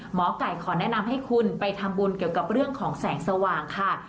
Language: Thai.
หมอไก่ขอแนะนำให้คุณไปทำบุญเกี่ยวกับเรื่องของแสงสว่างค่ะ